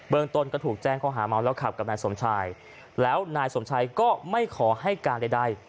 ตนก็ถูกแจ้งข้อหาเมาแล้วขับกับนายสมชายแล้วนายสมชัยก็ไม่ขอให้การใด